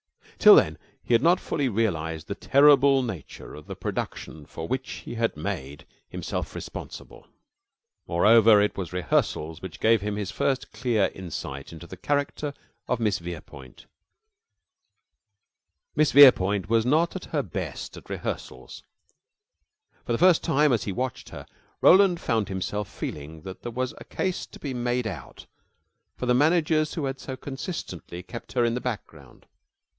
Till then he had not fully realized the terrible nature of the production for which he had made himself responsible. Moreover, it was rehearsals which gave him his first clear insight into the character of Miss Verepoint. Miss Verepoint was not at her best at rehearsals. For the first time, as he watched her, Roland found himself feeling that there was a case to be made out for the managers who had so consistently kept her in the background.